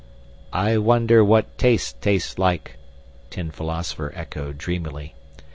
"I wonder what taste tastes like," Tin Philosopher echoed dreamily.